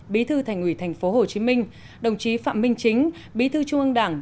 bí thư thành ủy thành phố hồ chí minh đồng chí phạm minh chính bí thư trung ương đảng